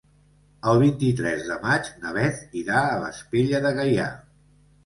El vint-i-tres de maig na Beth irà a Vespella de Gaià.